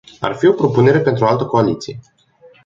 Ar fi o propunere pentru o altă coaliție.